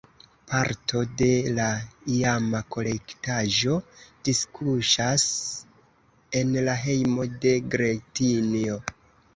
Parto de la iama kolektaĵo diskuŝas en la hejmo de Gretinjo.